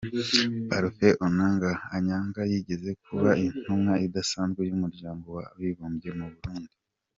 Parfait Onanga-Anyanga yigeze kuba intumwa idasanzwe y’Umuryango w’Abibumbye mu Burundi.